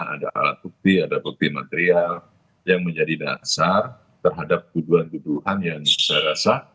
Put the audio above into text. ada alat bukti ada bukti material yang menjadi dasar terhadap tuduhan tuduhan yang saya rasa